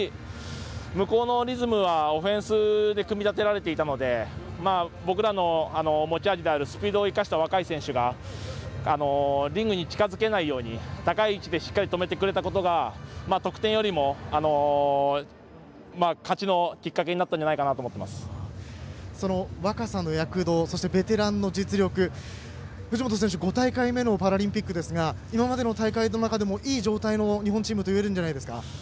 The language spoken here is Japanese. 向こうのリズムはオフェンスで組み立てられていたので僕らの持ち味であるスピードを生かした若い選手がリングに近づけないように高い位置でしっかり止めてくれたことが得点よりも勝ちのきっかけになったんじゃその若さの躍動ベテランの実力藤本選手、５大会目のパラリンピックですが今までの大会の中でもいい状態の日本チームといえるんじゃないですか？